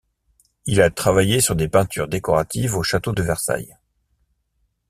Il a travaillé sur des peintures décoratives au Château de Versailles.